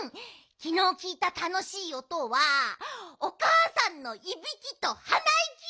きのうきいたたのしいおとはおかあさんのいびきとはないき！